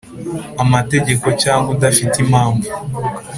amategeko cyangwa udafite impamvu